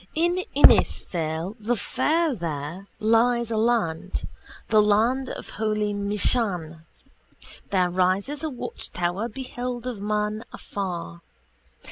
In Inisfail the fair there lies a land, the land of holy Michan. There rises a watchtower beheld of men afar.